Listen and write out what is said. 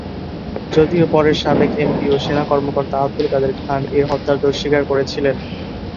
যদিও পরে সাবেক এমপি ও সেনা কর্মকর্তা আব্দুল কাদের খান এ হত্যার দোষ স্বীকার করেছিল।